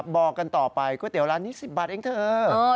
บอกกันต่อไปก๋วยเตี๋ยร้านนี้๑๐บาทเองเถอะ